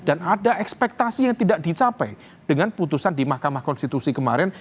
dan ada ekspektasi yang tidak dicapai dengan putusan di mahkamah konstitusi kemarin